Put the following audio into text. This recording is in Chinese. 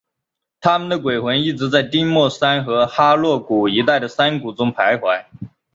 他们的鬼魂一直在丁默山和哈洛谷一带的山谷中徘徊。